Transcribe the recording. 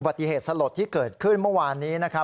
ปฏิเหตุสลดที่เกิดขึ้นเมื่อวานนี้นะครับ